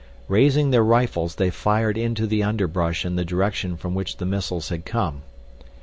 Raising their rifles they fired into the underbrush in the direction from which the missiles had come.